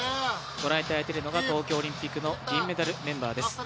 ご覧いただいているのが東京オリンピックの銀メダルメンバーです。